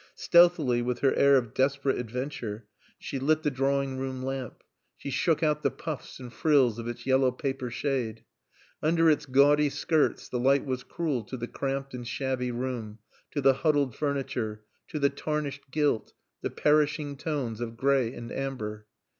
Stealthily, with her air of desperate adventure, she lit the drawing room lamp. She shook out the puffs and frills of its yellow paper shade. Under its gaudy skirts the light was cruel to the cramped and shabby room, to the huddled furniture, to the tarnished gilt, the perishing tones of gray and amber.